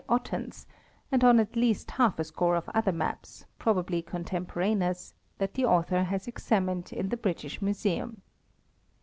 Ottens, and on at least half a score of other maps, probably contemporaneous, that the author has examined in the British Museum.